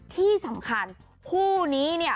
ที่สำคัญผู้นี้